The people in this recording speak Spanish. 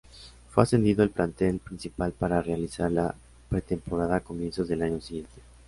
Fue ascendido al plantel principal para realizar la pretemporada a comienzos del año siguiente.